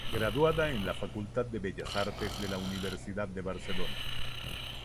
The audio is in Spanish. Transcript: Graduada en la facultad de bellas artes de la Universidad de Barcelona.